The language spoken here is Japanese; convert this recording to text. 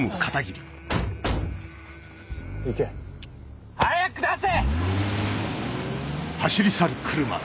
行け早く出せ！